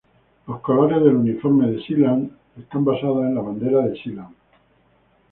Los colores del uniforme de Sealand están basadas en la bandera de Sealand.